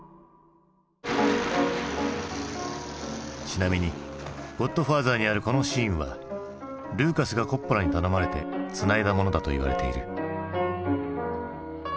ちなみに「ゴッドファーザー」にあるこのシーンはルーカスがコッポラに頼まれてつないだものだといわれている。